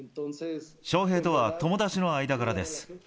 翔平とは友達の間柄です。